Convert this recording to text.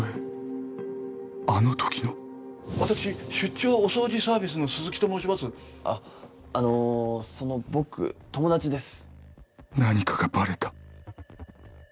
私出張お掃除サービスの鈴木と申しあっあのその僕友達です